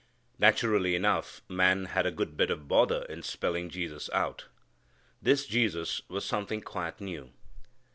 Naturally enough man had a good bit of bother in spelling Jesus out. This Jesus was something quite new.